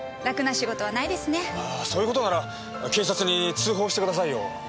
あーそういう事なら警察に通報してくださいよ。